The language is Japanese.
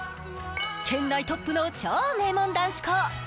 県内トップの超名門男子高。